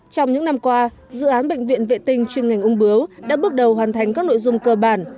trong những năm qua dự án bệnh viện vệ tinh chuyên ngành ung bướu đã bước đầu hoàn thành các nội dung cơ bản